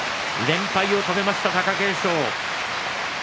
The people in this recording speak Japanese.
連敗を止めました貴景勝。